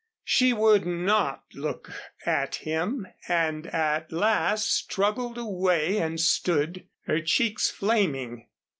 She would not look at him and at last struggled away and stood, her cheeks flaming.